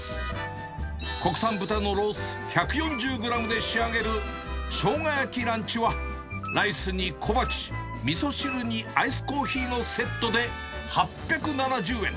国産豚のロース１４０グラムで仕上げるしょうが焼きランチは、ライスに小鉢、みそ汁にアイスコーヒーのセットで８７０円。